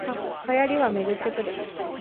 流行りはめぐってくる